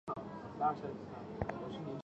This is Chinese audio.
第六世洞阔尔活佛是内蒙古茂明安旗人。